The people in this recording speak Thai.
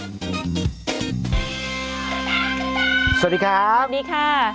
สวัสดีครับสวัสดีค่ะ